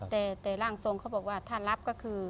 แต่ร่างทรงเขาบอกว่าถ้ารับก็คือ